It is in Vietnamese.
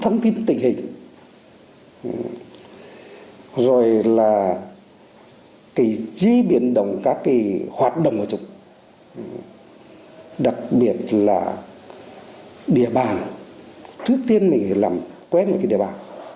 nói về hoạt động của chúng đặc biệt là địa bàn trước tiên mình phải làm quét một cái địa bàn